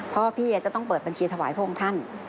เพราะว่าพี่จะต้องเปิดบัญชีถวายพระองค์ท่าน